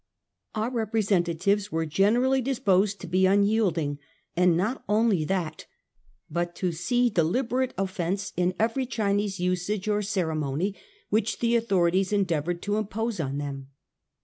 Our representatives were generally disposed to be unyielding ; and not only that, but to see deliberate offence in every Chinese usage or ceremony which the authorities endeavoured to impose on them.